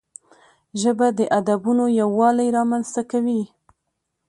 ژبه د ادبونو یووالی رامنځته کوي